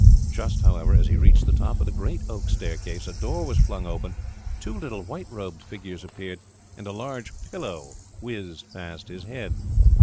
Just, however, as he reached the top of the great oak staircase, a door was flung open, two little white robed figures appeared, and a large pillow whizzed past his head!